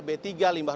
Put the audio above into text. b tiga limbah rumah